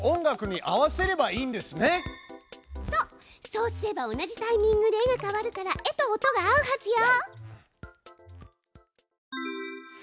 そうすれば同じタイミングで絵が変わるから絵と音が合うはずよ。